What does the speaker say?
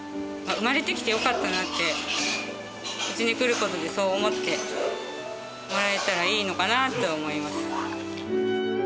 生まれてきてよかったなってうちに来ることでそう思ってもらえたらいいのかなと思います。